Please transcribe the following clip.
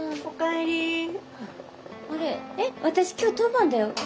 えっ私今日当番だよ。